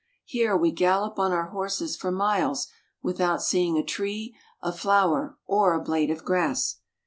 Here we gallop on our horses for miles without seeing a tree, a flower, or a blade of grass.